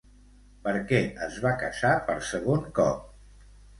Per què es va casar per segon cop?